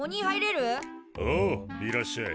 おういらっしゃい。